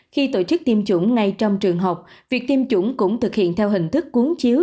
khi tổ chức tiêm chủng ngay trong trường học việc tiêm chủng cũng thực hiện theo hình thức cuốn chiếu